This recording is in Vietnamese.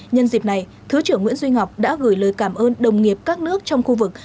nhân dịp này thứ trưởng nguyễn duy ngọc đã gửi lời cảm ơn đồng nghiệp các nước trong khu vực